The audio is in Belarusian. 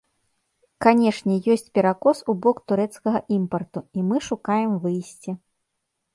Канечне, ёсць перакос у бок турэцкага імпарту, і мы шукаем выйсце.